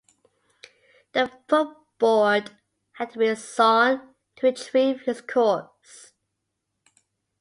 The footboard had to be sawn to retrieve his corpse.